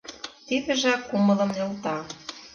Тидыжак кумылым нӧлта.